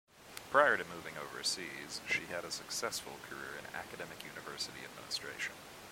Prior to moving overseas, she had a successful career in academic university administration.